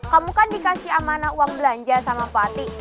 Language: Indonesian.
kamu kan dikasih amanah uang belanja sama pelatih